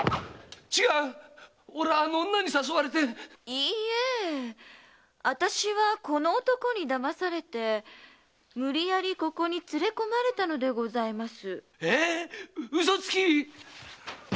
いいえあたしはこの男に騙されてむりやりここに連れ込まれたのでございます。